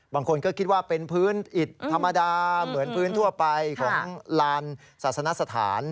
บางคนก็คิดว่าเป็นพื้นอิดธรรมดาเหมือนพื้นทั่วไปของลานศาสนสถาน